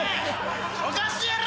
おかしいやろ！